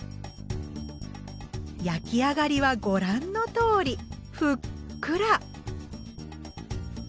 焼き上がりはご覧のとおりふっくら！